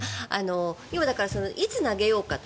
いつ、投げようかと。